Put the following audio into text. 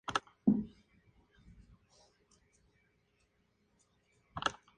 La sede del condado es Filadelfia.